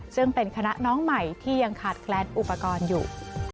ซึ่งเป็นคณะน้องใหม่ที่ยังขาดแคลนอุปกรณ์อยู่